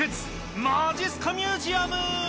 まじっすかミュージアム。